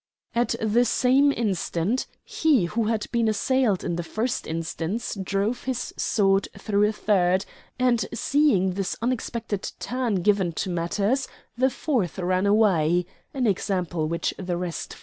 At the same instant he who had been assailed in the first instance drove his sword through a third; and, seeing this unexpected turn given to matters, the fourth ran away an example which the rest followed.